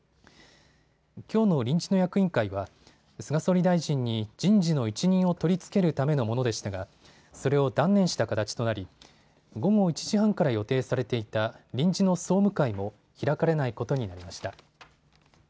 きょうの臨時の役員会は菅総理大臣に人事の一任を取り付けるためのものでしたがそれを断念した形となり午後１時半から予定されていた臨時の総務会も開かれないことになりました。